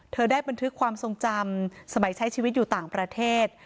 ได้บันทึกความทรงจำสมัยใช้ชีวิตอยู่ต่างประเทศ